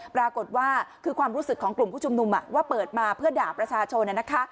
ปรากฏว่าคือความรู้สึกของกลุ่มผู้ชุมนุมว่าเปิดมาเพื่อด่าประชาชน